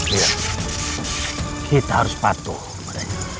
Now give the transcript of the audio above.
iya kita harus patuh padanya